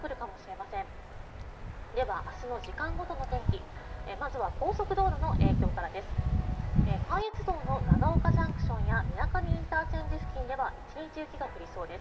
まずは高速道路の影響からです。